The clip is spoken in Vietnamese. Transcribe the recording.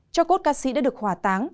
cho cốt ca sĩ đã được hỏa táng